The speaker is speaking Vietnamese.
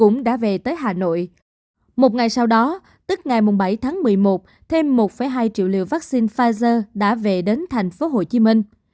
một ngày sau đó tức ngày bảy tháng một mươi một thêm một hai triệu liều vaccine pfizer đã về đến thành phố hồ chí minh